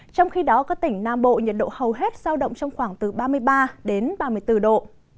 trong khi đó các tỉnh nam bộ nhiệt độ hầu hết giao động trong khoảng từ ba mươi ba đến ba mươi bốn độ